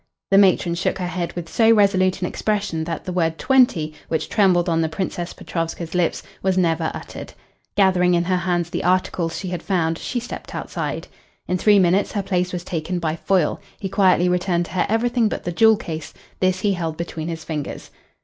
The matron shook her head with so resolute an expression that the word "twenty," which trembled on the Princess Petrovska's lips, was never uttered. Gathering in her hands the articles she had found, she stepped outside. In three minutes her place was taken by Foyle. He quietly returned to her everything but the jewel case. This he held between his fingers.